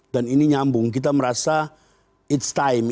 dan ini nyambung kita merasa it's time